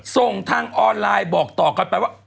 ส่งทางออนไลน์บอกต่อกันไปว่า